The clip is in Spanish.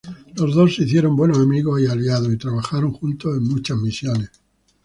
Los dos se hicieron buenos amigos y aliados, y trabajaron juntos en muchas misiones.